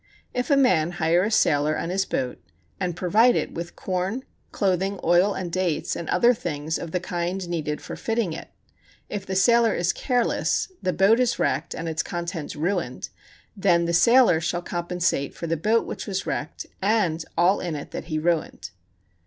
237. If a man hire a sailor and his boat, and provide it with corn, clothing, oil and dates, and other things of the kind needed for fitting it: if the sailor is careless, the boat is wrecked, and its contents ruined, then the sailor shall compensate for the boat which was wrecked and all in it that he ruined.